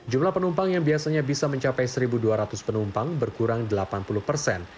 jumlah penumpang yang biasanya bisa mencapai satu dua ratus penumpang berkurang delapan puluh persen